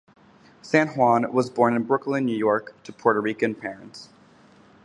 San Juan was born in Brooklyn, New York to Puerto Rican parents.